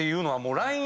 ＬＩＮＥを！